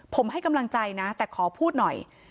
ผมให้กำลังใจนะแต่ขอพูดหน่อย